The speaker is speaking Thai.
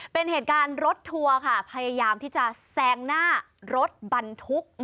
เป็นเหตุการณ์รถทัวร์ค่ะพยายามที่จะแซงหน้ารถบรรทุก